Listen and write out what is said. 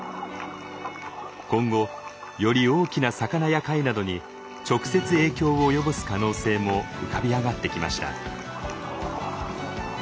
今後より大きな魚や貝などに直接影響を及ぼす可能性も浮かび上がってきました。